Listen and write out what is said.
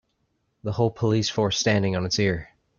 The whole police force standing on it's ear.